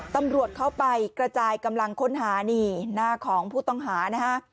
ตำรวจเข้าไปกระจายกำลังค้นหานี่หน้าของผู้ต้องหานะฮะ